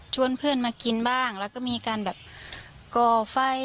เพื่อนมากินบ้างแล้วก็มีการแบบก่อไฟ